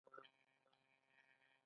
د میرمنو کار د جنډر برابرۍ هڅونه کوي.